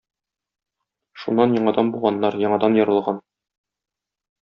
Шуннан яңадан буганнар, яңадан ерылган.